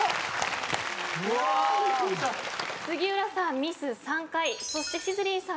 杉浦さんミス３回そしてしずりんさん